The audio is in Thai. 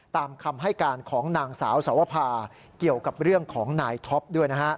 ตามคำให้การของนางสาวสวภาเกี่ยวกับเรื่องของนายท็อปด้วยนะฮะ